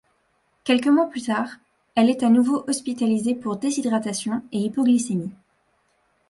Quelques mois plus tard, elle est à nouveau hospitalisée pour déshydratation et hypoglycémie.